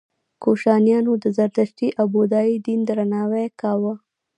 کوشانیانو د زردشتي او بودايي دین درناوی کاوه